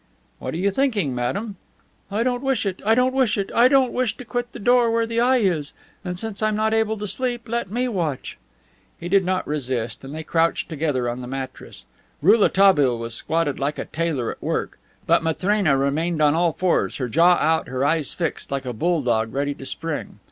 "What are you thinking, madame?" "I don't wish it. I don't wish it. I don't wish to quit the door where the eye is. And since I'm not able to sleep, let me watch." He did not insist, and they crouched together on the mattress. Rouletabille was squatted like a tailor at work; but Matrena remained on all fours, her jaw out, her eyes fixed, like a bulldog ready to spring.